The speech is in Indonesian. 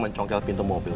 mencongkel pintu mobilnya